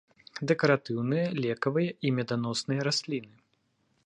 Дэкаратыўныя, лекавыя і меданосныя расліны.